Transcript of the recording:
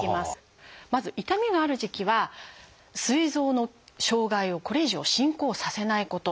まず痛みがある時期はすい臓の障害をこれ以上進行させないこと。